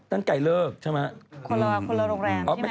นั่นไก่เลิกใช่ไหม